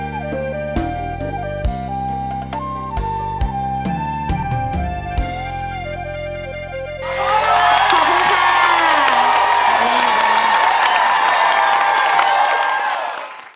ที่สุดที่สุด